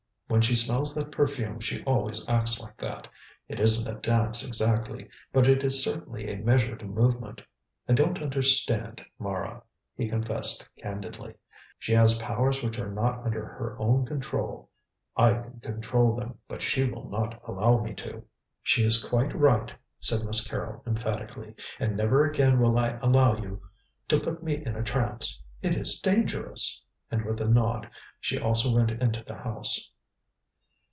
When she smells that perfume she always acts like that. It isn't a dance exactly, but it is certainly a measured movement. I don't understand Mara," he confessed candidly. "She has powers which are not under her own control. I could control them, but she will not allow me to." "She is quite right," said Miss Carrol emphatically, "and never again will I allow you to put me in a trance. It is dangerous," and with a nod she also went into the house.